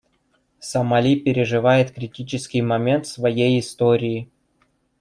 Сомали переживает критический момент в своей истории.